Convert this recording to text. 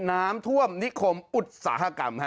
น้ำท่วมนิคมอุตสาหกรรม